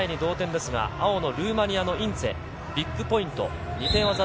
同点ですが、青のルーマニアのインツェ、ビッグポイント。